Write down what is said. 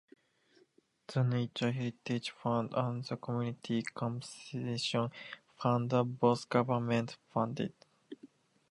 The Nature Heritage Fund and the Community Conservation Fund are both government funded.